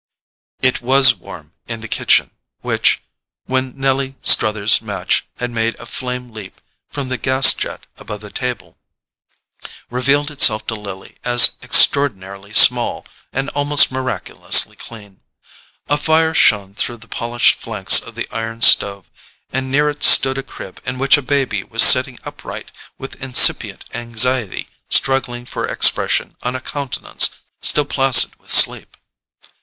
It WAS warm in the kitchen, which, when Nettie Struther's match had made a flame leap from the gas jet above the table, revealed itself to Lily as extraordinarily small and almost miraculously clean. A fire shone through the polished flanks of the iron stove, and near it stood a crib in which a baby was sitting upright, with incipient anxiety struggling for expression on a countenance still placid with sleep.